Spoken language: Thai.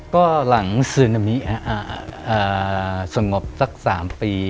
ก็หลังซูนามีศักดิ์สงบสัก๓ปี